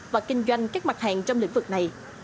và kinh doanh các mặt hàng trong lĩnh vực này